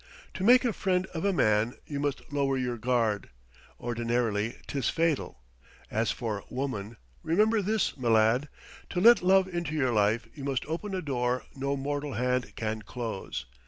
To make a friend of a man you must lower your guard. Ordinarily 'tis fatal. As for Woman, remember this, m'lad: to let love into your life you must open a door no mortal hand can close.